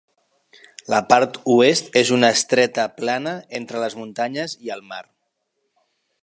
La part oest és una estreta plana entre les muntanyes i el mar.